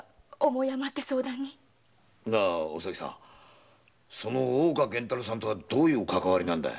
お咲さんその大岡源太郎さんとはどういうかかわりなんだい。